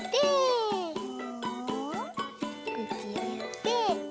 おくちをやって。